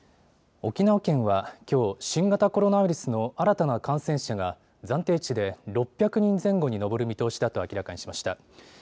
沖縄県はきょう、新型コロナウイルスの新たな感染者が暫定値で６００人前後に上る見通しだと明らかにしました。